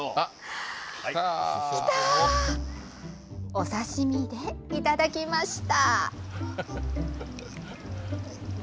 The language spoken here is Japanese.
お刺身でいただきました。